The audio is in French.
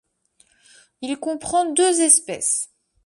Il comprend deux espèces.